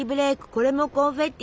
これもコンフェッティ？